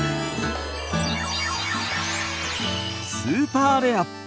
スーパーレア！